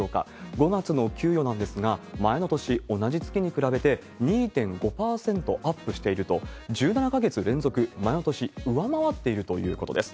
５月の給与なんですが、前の年、同じ月に比べて２．５％アップしていると、１７か月連続前の年、上回っているということです。